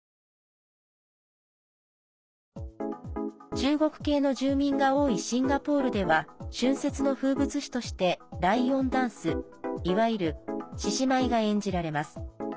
中国系の住民が多いシンガポールでは春節の風物詩としてライオンダンス、いわゆる獅子舞が演じられます。